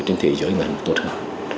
trên thế giới ngành tốt hơn